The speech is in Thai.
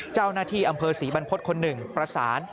เจ้าหน้าที่อำเภอศรีบรรพฤษคนหนึ่งประสาน